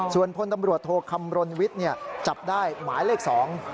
ส่วนพลตำรวจโทคำรณวิทย์เนี่ยจับได้หมายเลขสอง